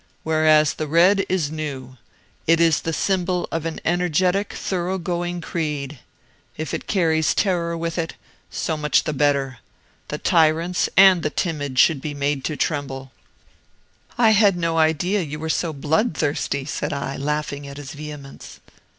Whereas the red is new; it is the symbol of an energetic, thorough going creed. If it carries terror with it, so much the better. The tyrants and the timid should be made to tremble." "I had no idea you were so bloodthirsty," said I, laughing at his vehemence.